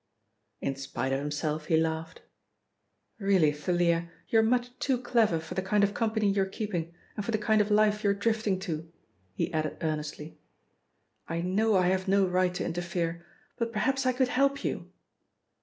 In spite of himself he laughed. "Really, Thalia, you're much too clever for the kind of company you're keeping and for the kind of life you're drifting to," he added earnestly. "I know I have no right to interfere, but perhaps I could help you.